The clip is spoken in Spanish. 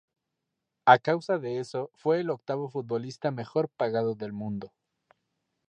A causa de eso, fue el octavo futbolista mejor pagado del mundo.